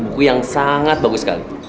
buku yang sangat bagus sekali